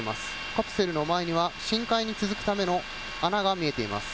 カプセルの前には深海に続くための穴が見えています。